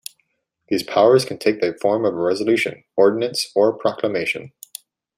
These powers can take the form of a resolution, ordinance or proclamation.